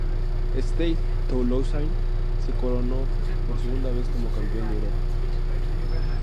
Stade Toulousain se coronó por segunda vez como Campeón de Europa.